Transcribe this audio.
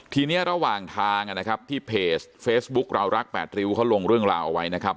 ทีนี้ระหว่างทางนะครับที่เพจเฟซบุ๊คเรารัก๘ริ้วเขาลงเรื่องราวเอาไว้นะครับ